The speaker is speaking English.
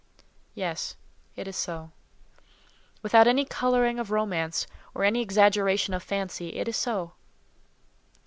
Yes; it is so. Without any colouring of romance, or any exaggeration of fancy, it is so.